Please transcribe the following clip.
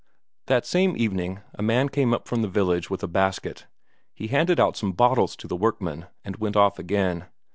That same evening, a man came up from the village with a basket he handed out some bottles to the workmen, and went off again.